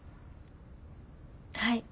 はい。